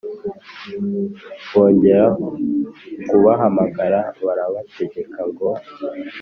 Bongera kubahamagara barabategeka ngo